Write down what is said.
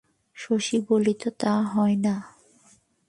শশী বলিল, তা হয় না।